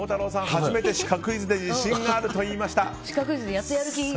初めてシカクイズで自信があると言いました。